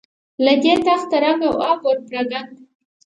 له دې تخته رنګ او آب ور بپراګند.